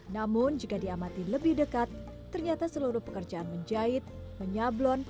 namun jika diamati lebih dekat ternyata seluruh pekerjaan menjahit menyablon